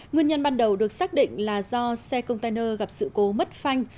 nguyên nhân ban đầu được xác định là do xe container gặp sự cố mất phanh